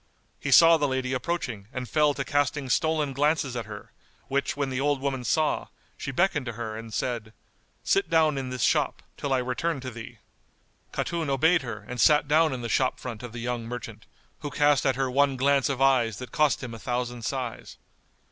He saw the lady approaching and fell to casting stolen glances at her, which when the old woman saw, she beckoned to her and said, "Sit down in this shop, till I return to thee." Khatun obeyed her and sat down in the shop front of the young merchant, who cast at her one glance of eyes that cost him a thousand sighs.